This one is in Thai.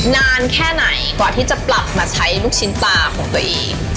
นานแค่ไหนกว่าที่จะปรับมาใช้ลูกชิ้นปลาของตัวเอง